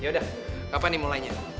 yaudah kapan nih mulainya